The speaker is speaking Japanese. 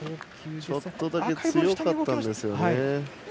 ちょっとだけ強かったんですよね。